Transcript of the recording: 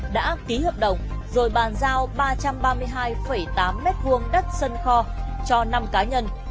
đã ký hợp đồng rồi bàn giao ba trăm ba mươi hai tám m hai đất sân kho cho năm cá nhân